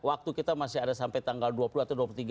waktu kita masih ada sampai tanggal dua puluh atau dua puluh tiga